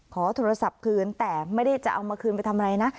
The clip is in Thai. ขอโทรศัพท์คืนแต่ไม่ได้จะเอามาคืนไปทำอะไรนะ